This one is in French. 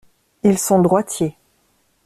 Ils sont droitiers.